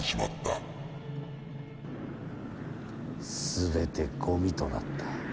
全てごみとなった。